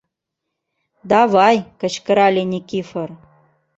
— Давай, — кычкырале Никифор.